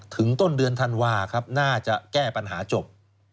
ต้นเดือนธันวาครับน่าจะแก้ปัญหาจบ